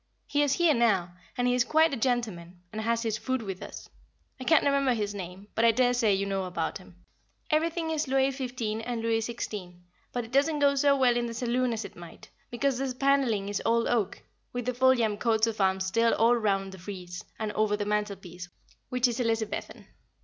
He is here now, and he is quite a gentleman, and has his food with us; I can't remember his name, but I daresay you know about him. Everything is Louis XV. and Louis XVI., but it doesn't go so well in the saloon as it might, because the panelling is old oak, with the Foljambe coats of arms still all round the frieze, and over the mantelpiece, which is Elizabethan.